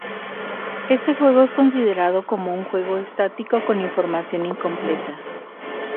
Este juego es considerado como un juego estático con información completa.